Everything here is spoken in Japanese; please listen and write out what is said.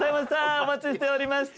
お待ちしておりました。